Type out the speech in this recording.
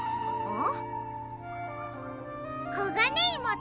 ん。